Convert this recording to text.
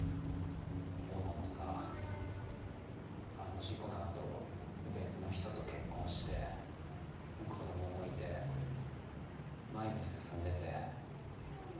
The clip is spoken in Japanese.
洋子もさあの事故の後別の人と結婚して子供もいて前に進んでて。